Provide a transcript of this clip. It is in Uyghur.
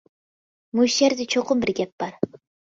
مۇشۇ يەردە چوقۇم بىر گەپ بار.